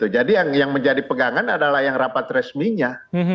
jadi yang menjadi pegangan adalah yang rapat resminya